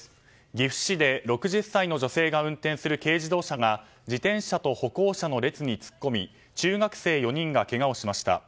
岐阜市で６０歳の女性が運転する軽自動車が自転車と歩行者の列に突っ込み中学生４人がけがをしました。